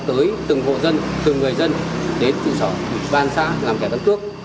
tới từng hộ dân từng người dân đến trụ sở tủy ban xã làm thẻ cân cước